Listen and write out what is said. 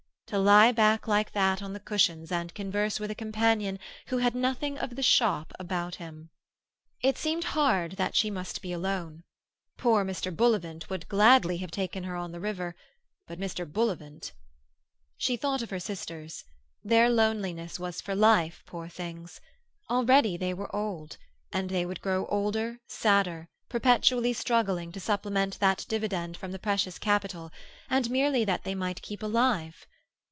To lie back like that on the cushions and converse with a companion who had nothing of the shop about him! It seemed hard that she must be alone. Poor Mr. Bullivant would gladly have taken her on the river; but Mr. Bullivant— She thought of her sisters. Their loneliness was for life, poor things. Already they were old; and they would grow older, sadder, perpetually struggling to supplement that dividend from the precious capital—and merely that they might keep alive.